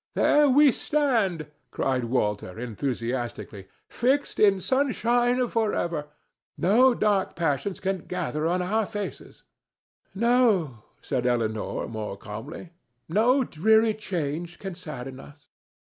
"There we stand," cried Walter, enthusiastically, "fixed in sunshine for ever. No dark passions can gather on our faces." "No," said Elinor, more calmly; "no dreary change can sadden us."